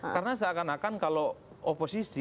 karena seakan akan kalau oposisi